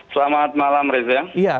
selamat malam reza